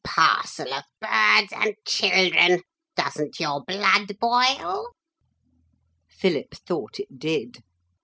"Parcel of birds and children." Doesn't your blood boil?' Philip thought it did.